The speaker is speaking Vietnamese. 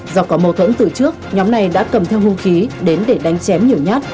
do có mâu thuẫn từ trước nhóm này đã cầm theo hung khí đến để đánh chém nhiều nhát